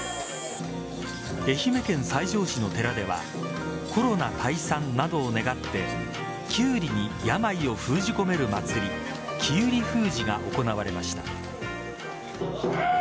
愛媛県西条市の寺ではコロナ退散などを願ってキュウリに病を封じ込める祭りきうり封じが行われました。